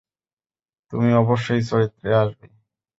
তুমি অবশ্যই চরিত্রে আসবে।